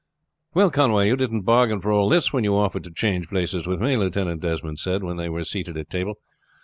"Well, Conway, you didn't bargain for all this when you offered to change places with me," Lieutenant Desmond said when they were seated at table.